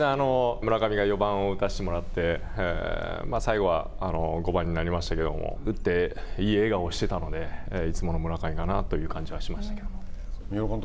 村上が４番を打たしてもらって、最後は５番になりましたけど打っていい笑顔をしてたので、いつもの村上だなという感じはしましたけど。